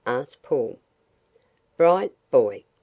asked Paul. "Bright boy!"